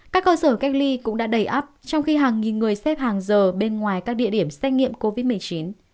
các cơ sở cách ly cũng đã đầy ấp trong khi hàng nghìn người xếp hàng giờ bên ngoài các địa điểm xét nghiệm covid một mươi chín